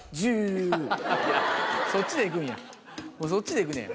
そっちでいくんやもうそっちでいくねや。